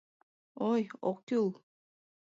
— Ой, ок кӱл!